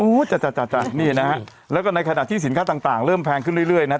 โอ้โหจัดจัดนี่นะฮะแล้วก็ในขณะที่สินค้าต่างเริ่มแพงขึ้นเรื่อยนะฮะ